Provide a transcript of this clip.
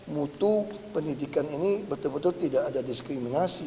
mutu pendidikan ini betul betul tidak ada diskriminasi